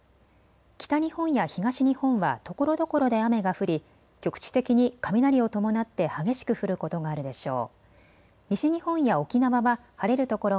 北日本や東日本はところどころで雨が降り局地的に雷を伴って激しく降ることがあるでしょう。